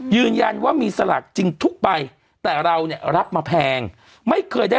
ยืนยันว่ามีสลากจริงทุกใบแต่เราเนี่ยรับมาแพงไม่เคยได้